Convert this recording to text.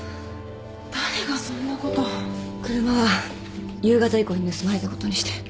車は夕方以降に盗まれたことにして。